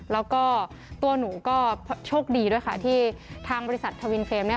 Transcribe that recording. แล้วก็ตัวหนูก็โชคดีด้วยค่ะที่ทางบริษัททวินเฟรมเนี่ย